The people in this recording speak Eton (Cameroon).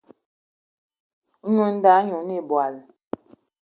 Nwǐ nda ɲî oné̂ ìbwal